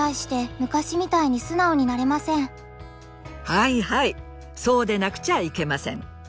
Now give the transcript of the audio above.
はいはいそうでなくちゃいけません。